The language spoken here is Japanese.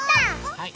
はい。